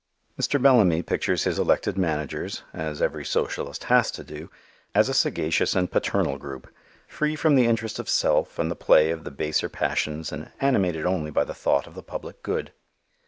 Mr. Bellamy pictures his elected managers, as every socialist has to do, as a sagacious and paternal group, free from the interest of self and the play of the baser passions and animated only by the thought of the public good.